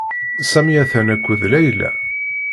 Sami atan akked Layla.